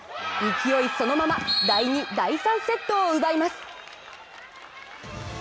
勢いそのまま、第２・第３セットを奪います。